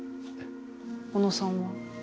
小野さんは？